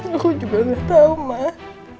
aku juga gak tahu mak